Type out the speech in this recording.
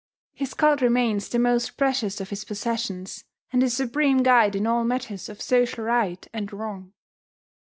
His cult remains the most precious of his possessions, and his supreme guide in all matters of social right and wrong.